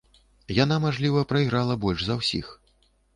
Яна, мажліва, прайграла больш за ўсіх.